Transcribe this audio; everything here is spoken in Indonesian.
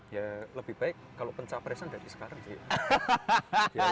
ya lebih baik kalau pencapresan dari sekarang sih